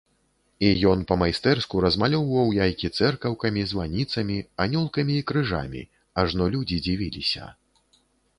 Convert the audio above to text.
І ён па-майстэрску размалёўваў яйкі цэркаўкамі, званіцамі, анёлкамі і крыжамі, ажно людзі дзівіліся.